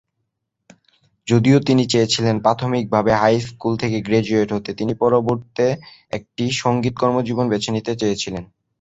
যদিও তিনি চেয়েছিলেন প্রাথমিকভাবে হাই স্কুল থেকে গ্রাজুয়েট হতে, তিনি পরিবর্তে একটি সঙ্গীত কর্মজীবন বেছে নিতে চেয়েছিলেন।